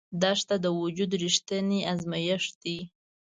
دښته د وجود رښتینی ازمېښت دی.